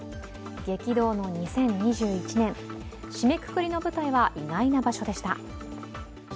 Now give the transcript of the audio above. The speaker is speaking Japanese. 激動の２０２１年、締めくくりの舞台は意外な場所でした。